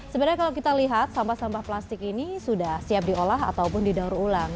sebenarnya kalau kita lihat sampah sampah plastik ini sudah siap diolah ataupun didaur ulang